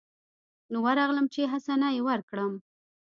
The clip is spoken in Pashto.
نو ورغلم چې حسنه يې وركړم.